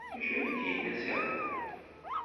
D acu ay d-yenna Si Remḍan?